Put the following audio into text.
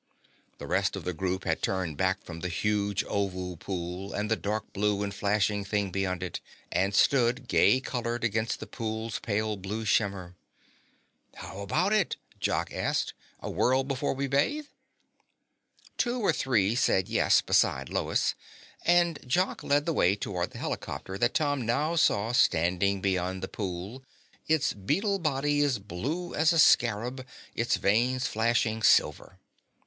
The rest of the group had turned back from the huge oval pool and the dark blue and flashing thing beyond it, and stood gay colored against the pool's pale blue shimmer. "How about it?" Jock asked them. "A whirl before we bathe?" Two or three said yes besides Lois, and Jock led the way toward the helicopter that Tom now saw standing beyond the pool, its beetle body as blue as a scarab, its vanes flashing silver.